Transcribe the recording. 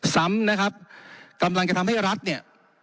ซ้ำนะครับกำลังจะทำให้รัฐเนี่ย